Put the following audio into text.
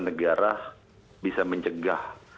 negara bisa mencegah